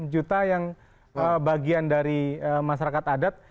enam juta yang bagian dari masyarakat adat